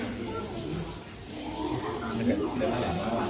สวัสดีครับ